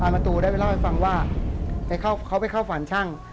ประตูได้ไปเล่าให้ฟังว่าเขาไปเข้าฝันช่าง